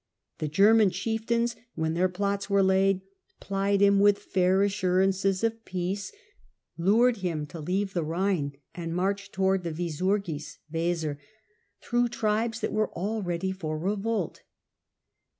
The German chieftains, when their plots were laid, plied him with fair assurances of peace, lured him to leave the Rhine and march to wards the Visurgis (Weser) through tribes that were all ready for revolt.